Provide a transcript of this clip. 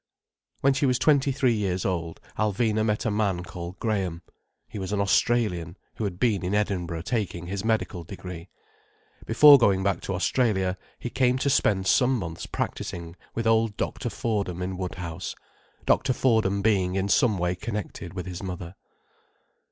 When she was twenty three years old, Alvina met a man called Graham. He was an Australian, who had been in Edinburgh taking his medical degree. Before going back to Australia, he came to spend some months practising with old Dr. Fordham in Woodhouse—Dr. Fordham being in some way connected with his mother.